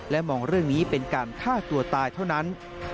มองเรื่องนี้เป็นการฆ่าตัวตายเท่านั้น